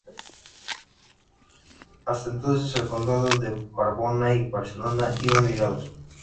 Hasta entonces el condado de Narbona y Barcelona iban ligados.